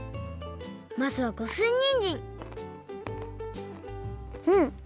まずは五寸にんじんうん！